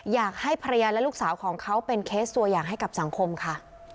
อยากให้ภรรยาและลูกสาวของเขาเป็นเคสตัวอย่างให้กับสังคมค่ะ